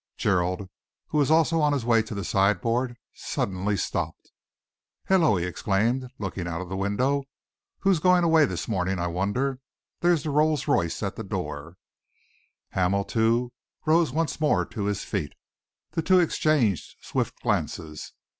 Gerald, who was also on his way to the sideboard, suddenly stopped. "Hullo!" he exclaimed, looking out of the window. "Who's going away this morning, I wonder? There's the Rolls Royce at the door." Hamel, too, rose once more to his feet. The two exchanged swift glances.